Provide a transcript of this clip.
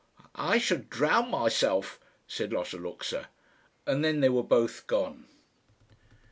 "I should drown myself," said Lotta Luxa. And then they both were gone.